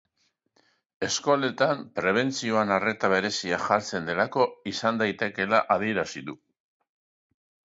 Eskoletan prebentzioan arreta berezia jartzen delako izan daitekeela adierazi du.